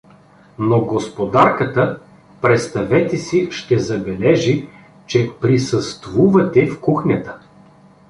— Но господарката… представете си, ще забележи, че присъствувате в кухнята!